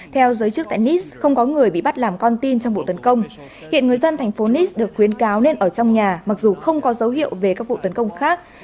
theo giới chức tại nis không có người bị bắt làm con tin trong vụ tấn công hiện người dân thành phố niss được khuyến cáo nên ở trong nhà mặc dù không có dấu hiệu về các vụ tấn công khác